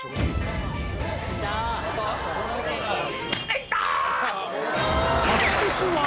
いったー！